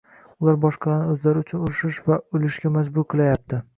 Ular boshqalarni o‘zlari uchun urushish va o‘lishga majbur qilayapti